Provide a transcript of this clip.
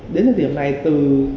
đến đến điểm này từ